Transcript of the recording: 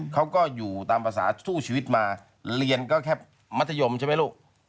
เขาก็อยู่ตามภาษาสู้ชีวิตมาเรียนก็แค่มัธยมใช่ไหมลูก